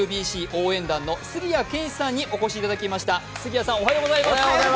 応援団の杉谷拳士さんにお越しいただきました。